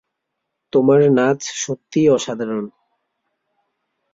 তোমার নাচ সত্যিই অসাধারণ।